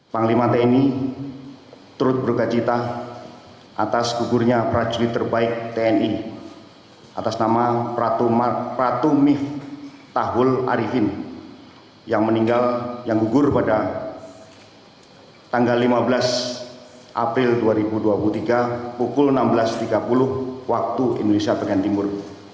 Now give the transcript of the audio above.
penglima tni terus bergacita atas gugurnya prajurit terbaik tni atas nama pratumif tahul arifin yang meninggal yang gugur pada tanggal lima belas april dua ribu dua puluh tiga pukul enam belas tiga puluh waktu indonesia pegang timur